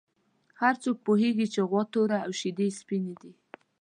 هر څوک پوهېږي چې غوا توره او شیدې یې سپینې دي.